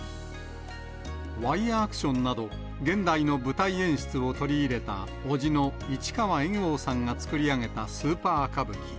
ワイヤーアクションなど、現代の舞台演出を取り入れた伯父の市川猿翁さんが作り上げたスーパー歌舞伎。